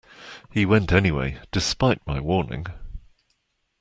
He went anyway, despite my warning.